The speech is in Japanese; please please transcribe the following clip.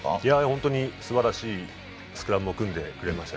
本当にすばらしいスクラムを組んでくれました。